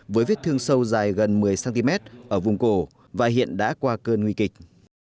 với vết thương sâu dài gần một mươi cm ở vùng cổ và hiện đã qua cơn nguy kịch